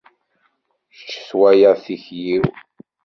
Kečč twalaḍ tikli-w.